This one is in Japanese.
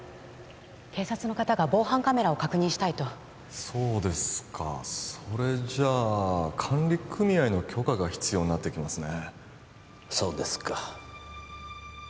警察の方が防犯カメラを確認したいとそうですかそれじゃあ管理組合の許可が必要になってきますね